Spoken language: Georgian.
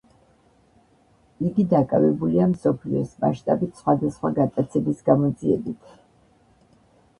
იგი დაკავებულია მსოფლიოს მასშტაბით სხვადასხვა გატაცების გამოძიებით.